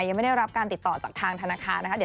ยังไม่ได้รับการติดต่อจากทางธนาคารนะคะ